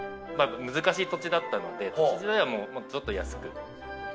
難しい土地だったので、土地自体はもっと安く。